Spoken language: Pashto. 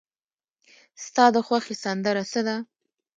ستا د خوښې سندره څه ده؟